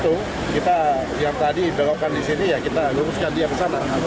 hal utama yang kedua kita yang tadi belokan di sini ya kita luruskan dia ke sana